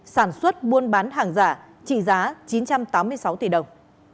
sản xuất buôn bán hàng giả trị giá chín trăm tám mươi sáu tỷ đồng